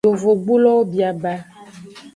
Yovogbulowo bia ba.